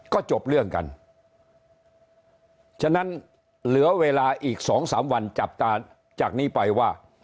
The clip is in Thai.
ก็จบเรื่องกันฉะนั้นเหลือเวลาอีกสองสามวันจับตาจากนี้ไปว่า